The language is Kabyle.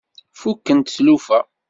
Fukkent tlufa.